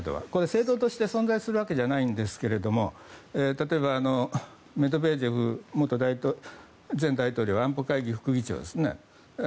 政党として存在するわけではないですが例えばメドベージェフ前大統領安保会議副議長ですね。